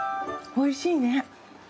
おいしいね。